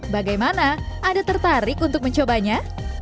bagaimana anda tertarik untuk mencobanya